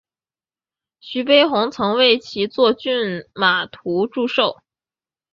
徐悲鸿曾为其作骏马图祝寿。